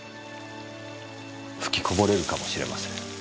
吹きこぼれるかもしれません。